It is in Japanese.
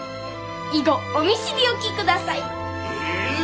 以後お見知り置きください。